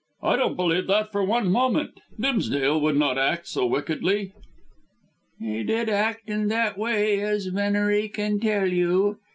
"I don't believe that for one moment. Dimsdale would not act so wickedly." "He did act in that way, as Venery can tell you.